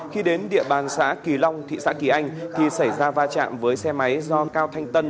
khi đến địa bàn xã kỳ long thị xã kỳ anh thì xảy ra va chạm với xe máy do cao thanh tân